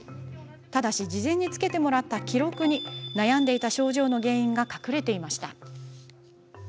ただし事前につけてもらった記録に悩んでいた症状の原因が隠れていました。